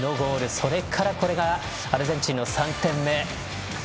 それからアルゼンチンの３点目。